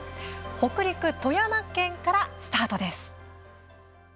北陸・富山県からスタートです。